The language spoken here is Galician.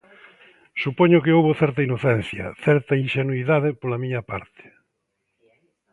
Supoño que houbo certa inocencia, certa inxenuidade pola miña parte.